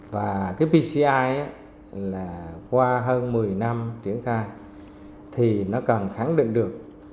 và cái pci là qua hơn một mươi năm triển khai thì nó cần khẳng định được